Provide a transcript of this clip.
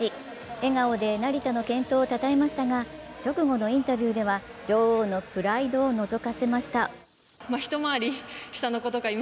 笑顔で成田の健闘をたたえましたが、直後のインタビューでは女王のプライドをのぞかせました。